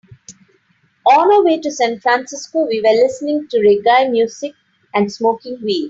On our way to San Francisco, we were listening to reggae music and smoking weed.